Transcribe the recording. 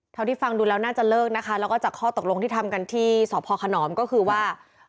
ที่ฟังดูแล้วน่าจะเลิกนะคะแล้วก็จากข้อตกลงที่ทำกันที่สพขนอมก็คือว่า